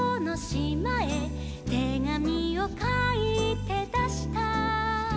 「てがみをかいてだした」